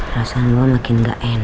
rasanya gue makin gak enak nih